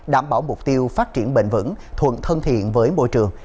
đảm bảo mục tiêu phát triển bền vững thuận thân thiện với môi trường